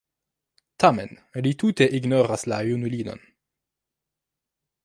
Tamen li tute ignoras la junulinon.